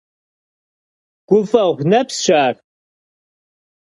Гуфӏэгъу нэпсщ ар.